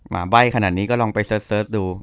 ใบ้ขนาดนี้ก็ลองไปเสิร์ชดู